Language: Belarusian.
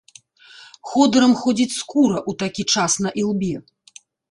Ходырам ходзіць скура ў такі час на ілбе.